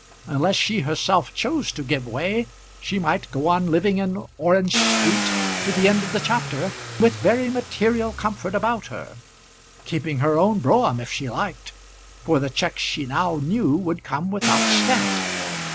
Unless she herself chose to give way she might go on living in Orange Street to the end of the chapter, with every material comfort about her, keeping her own brougham if she liked, for the checks she now knew would come without stint.